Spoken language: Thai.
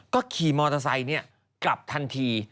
ก็ขี่มอเตอร์ไซค์กลับทันที